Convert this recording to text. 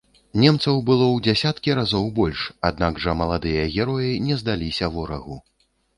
Немцаў было ў дзесяткі разоў больш, аднак жа маладыя героі не здаліся ворагу.